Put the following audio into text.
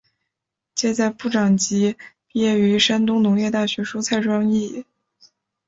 旨在部长级毕业于山东农业大学蔬菜专业。